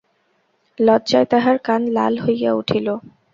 লজ্জায় তাহার কান লাল হইয়া উঠিল।